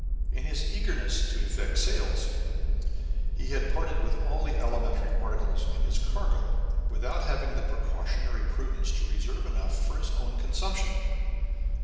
In his eagerness to effect sales, he had parted with all the alimentary articles in his cargo without having the precautionary prudence to reserve enough for his own consumption.